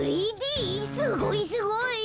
すごいすごい。